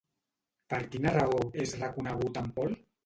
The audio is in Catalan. Per quina raó és reconegut en Paul?